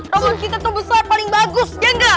tahun kita tuh besar paling bagus ya enggak